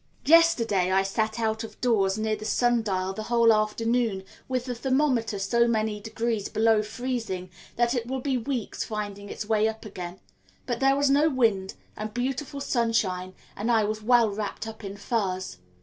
Yesterday I sat out of doors near the sun dial the whole afternoon, with the thermometer so many degrees below freezing that it will be weeks finding its way up again; but there was no wind, and beautiful sunshine, and I was well wrapped up in furs.